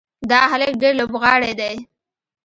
دا هلک ډېر لوبغاړی دی.